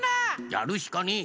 やるしかねえ！